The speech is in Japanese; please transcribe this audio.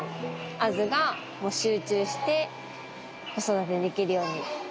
アズが集中して子育てできるように心がけてました。